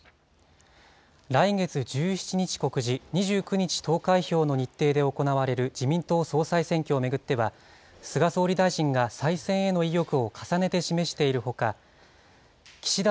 来月１７日告示、２９日投開票の日程で行われる自民党総裁選挙を巡っては、菅総理大臣が再選への意欲を重ねて示しているほか、岸田